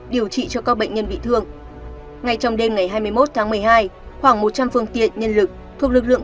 điều trị cho các bệnh nhân bị thương ngay trong đêm ngày hai mươi một tháng một mươi hai khoảng một trăm linh phương tiện nhân lực thuộc lực lượng